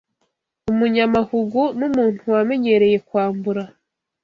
Umunyamahugu n’umuntu wamenyereye kwambura